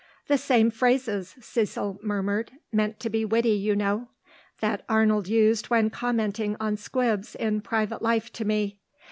"The same phrases," Cecil murmured "(meant to be witty, you know) that Arnold used when commenting on 'Squibs' in private life to me.